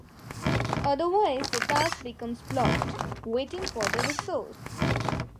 Otherwise the task becomes blocked, waiting for the resource.